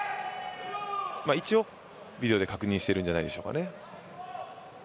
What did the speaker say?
一応、ビデオで確認しているんじゃないでしょうかね。